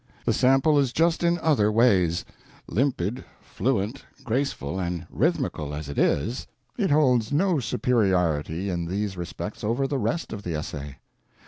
The sample is just in other ways: limpid, fluent, graceful, and rhythmical as it is, it holds no superiority in these respects over the rest of the essay.